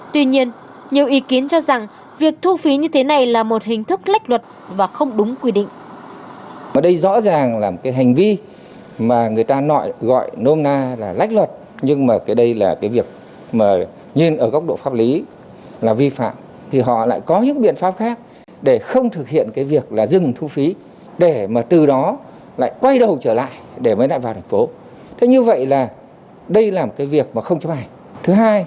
tuy nhiên nhiều ý kiến cho rằng việc thu phí như thế này là một hình thức lách luật và không đúng quy định